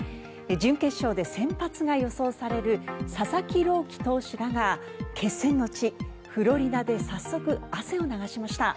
準決勝で先発が予想される佐々木朗希投手らが決戦の地フロリダで早速汗を流しました。